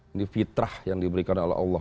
ini fitrah yang diberikan oleh allah